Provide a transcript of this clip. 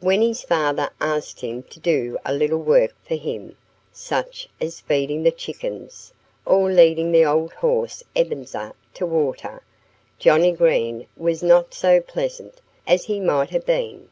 When his father asked him to do a little work for him such as feeding the chickens, or leading the old horse Ebenezer to water Johnnie Green was not so pleasant as he might have been.